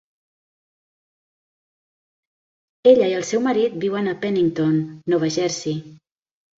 Ella i el seu marit viuen a Pennington, Nova Jersey.